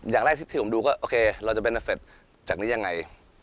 อย่างแรกที่ผมดูก็โอเคเราจะเป็นอาเฟตจากนี้ยังไง